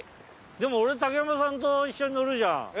も俺竹山さんと一緒に乗るじゃん。